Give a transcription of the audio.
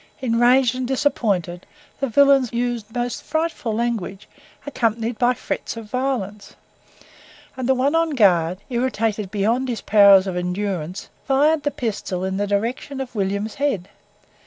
Enraged and disappointed, the villains used most frightful language, accompanied by threats of violence; and the one on guard, irritated beyond his powers of endurance, fired the pistol in the direction of William's head.